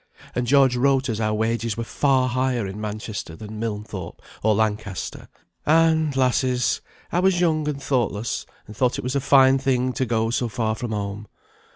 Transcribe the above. And George wrote as how wages were far higher in Manchester than Milnthorpe or Lancaster; and, lasses, I was young and thoughtless, and thought it was a fine thing to go so far from home.